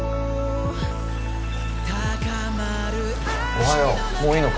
おはようもういいのか？